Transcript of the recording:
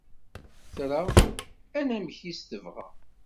Tra, anamek-is tebɣa.